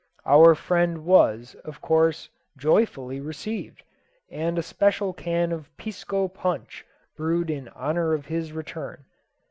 Our friend was, of course, joyfully received, and a special can of pisco punch brewed in honour of his return.